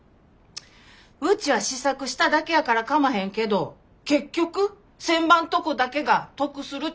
うちは試作しただけやからかまへんけど結局仙波んとこだけが得するっちゅう話やろ？